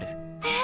え？